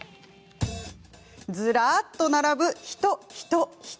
ずらっと並ぶ人、人、人。